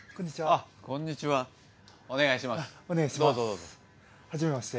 あっ始めまして。